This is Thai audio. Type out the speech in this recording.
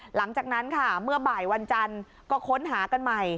หลังจากนั้นค่ะเมื่อบ่ายวันจันทร์ก็ค้นหากันใหม่